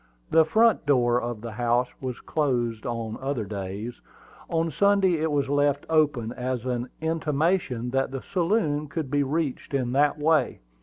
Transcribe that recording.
The front door of the house was closed on other days; on Sunday it was left open, as an intimation that the saloon could be reached in that way.